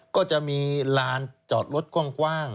ก็จะมีลานจอดรถกว้าง